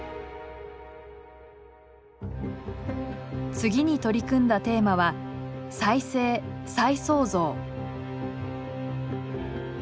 次に取り組んだテーマは「再生・再創造」。